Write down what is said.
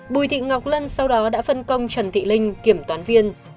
bùi thị ngọc lân sau đó đã phân công trần thị linh kiểm toán viên